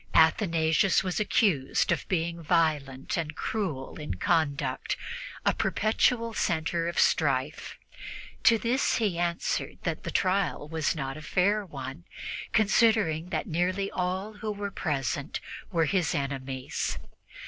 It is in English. Athanasius was accused of being violent and cruel in conduct, a perpetual center of strife. To this he answered that the trial was not a fair one, considering that nearly all who were present were his enemies.